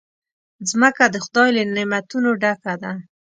مځکه د خدای له نعمتونو ډکه ده.